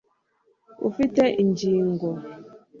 ufite ingingo